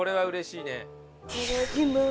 いただきます。